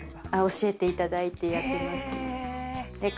教えていただいてやってますねへええっ！？